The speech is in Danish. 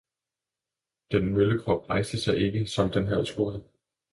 den møllekrop rejste sig ikke, som den havde troet.